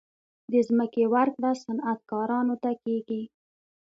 د ځمکې ورکړه صنعتکارانو ته کیږي